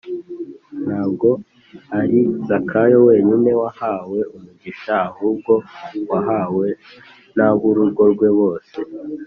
” ntabwo ari zakayo wenyine wahawe umugisha, ahubwo wahawe n’ab’urugo rwe bose